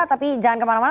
tapi jangan kemana mana